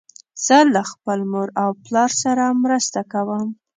زه له خپل مور او پلار سره مرسته کوم.